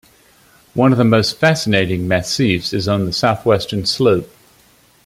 One of the most fascinating massifs is on the southwestern slope.